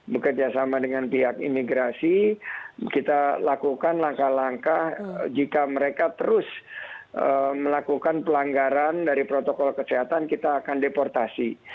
bekerja sama dengan pihak imigrasi kita lakukan langkah langkah jika mereka terus melakukan pelanggaran dari protokol kesehatan kita akan deportasi